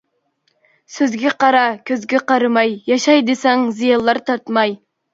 سۆزگە قارا كۆزگە قارىماي، ياشاي دېسەڭ زىيانلار تارتماي.